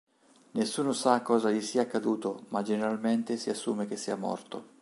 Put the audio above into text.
Nessuno sa cosa gli sia accaduto ma generalmente si assume che sia morto.